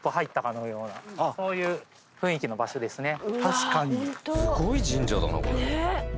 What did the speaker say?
そういう雰囲気の場所ですね。